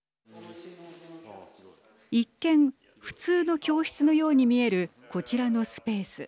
一見普通の教室のように見えるこちらのスペース。